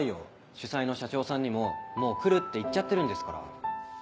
主催の社長さんにももう来るって言っちゃってるんですから。